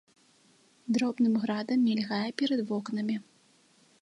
Дробным градам мільгае перад вокнамі.